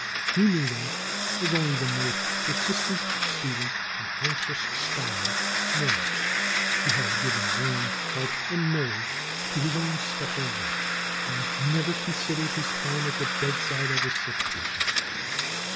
He knew them as only the most persistent student and anxious scholar knows who has given brain, heart and nerve to his own special work. 142 DR. SCHOLAR CRUTCH and never considered his time at the bedside of a sick patient.